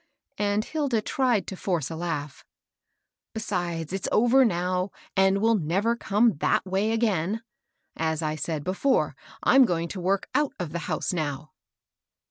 And Hilda tried to force a laugh. Besides, it's over now, and will never come that way again. As I said before, I'm going to work out of the house now."